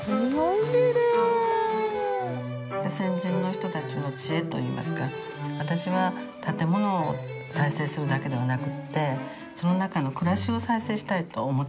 先人の人たちの知恵といいますか私は建物を再生するだけではなくてその中の暮らしを再生したいと思ってるんですね。